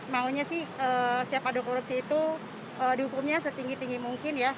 maunya sih setiap ada korupsi itu dihukumnya setinggi tinggi mungkin ya